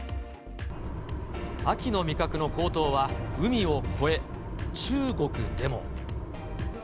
秋の味覚の高騰は、海を越え、中国でも。